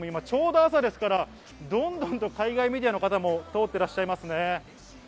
ちょうど朝ですから、どんどん海外メディアの方も通っていらっしゃいます。